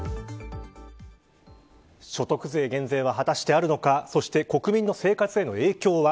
所得税減税は果たしてあるのかそして、国民の生活への影響は。